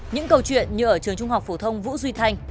những câu chuyện như ở trường trung học phổ thông vũ duy thanh